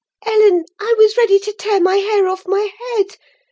"Ellen, I was ready to tear my hair off my head!